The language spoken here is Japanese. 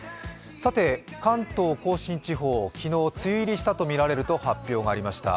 関東甲信地方、昨日、梅雨入りしたとみられると発表がありました。